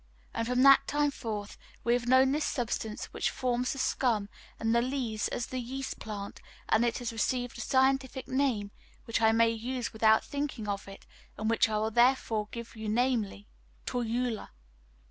And from that time forth we have known this substance which forms the scum and the lees as the yeast plant; and it has received a scientific name which I may use without thinking of it, and which I will therefore give you namely, "Torula."